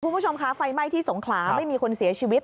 คุณผู้ชมคะไฟไหม้ที่สงขลาไม่มีคนเสียชีวิต